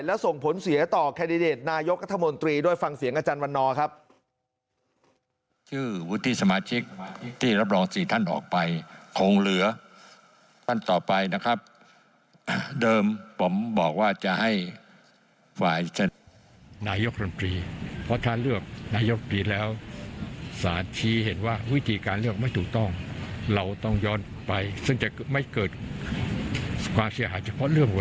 และส่งผลเสียต่อแคนดิเดตนายกรัฐมนตรีด้วยฟังเสียงอาจารย์วันนอร์ครับ